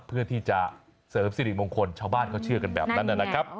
เพื่อที่จะเสริมสิริมงคลชาวบ้านเขาเชื่อกันแบบนั้นนะครับ